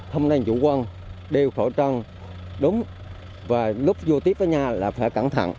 hôm nay chủ quân đều khẩu trang đúng và lúc vô tiếp với nhà là phải cẩn thận